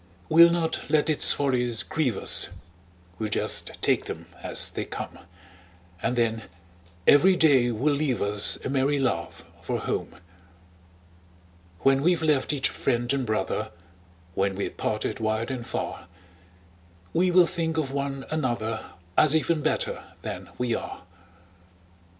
We'll not let its follies grieve us, We'll just take them as they come; And then every day will leave us A merry laugh for home. When we've left each friend and brother, When we're parted wide and far, We will think of one another, As even better than we are.